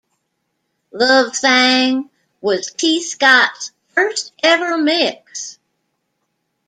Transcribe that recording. "Love Thang" was Tee Scott's first ever mix.